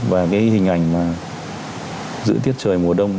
và cái hình ảnh mà giữ tiết trời mùa đông